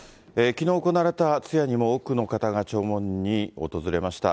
きのう行われた通夜にも多くの方が弔問に訪れました。